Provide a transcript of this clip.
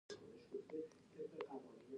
مولوي نجف علي خان خوشي شو.